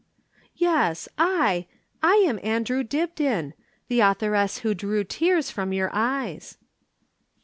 "Yes, I I am Andrew Dibdin the authoress who drew tears from your eyes."